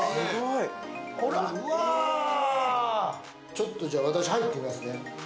ちょっとじゃあ私、入ってみますね。